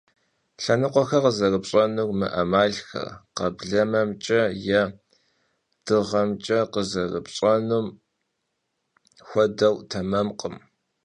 Lhenıkhuexer khızerıpş'enu mı 'emalxer kheblememç'e yê dığemç'e khızerıpş'enum xuedeu tememkhım.